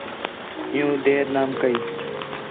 عِیّوں دیر نام کَئی